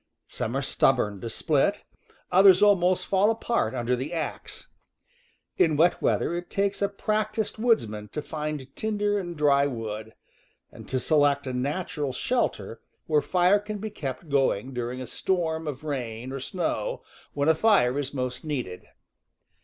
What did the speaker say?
Some are stub born to split, others almost fall apart under the axe. In wet weather it takes a practiced woodsman to find tinder and dry wood, and to select a natural shelter where fire can be kept going during a storm of rain or snow, when a fire is most needed.